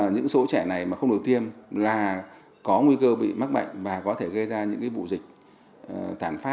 những số trẻ này mà không được tiêm là có nguy cơ bị mắc bệnh và có thể gây ra những vụ dịch tản phát